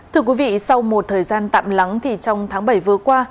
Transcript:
thưa quý vị sau một thời gian tạm lắng thì trong tháng bảy vừa qua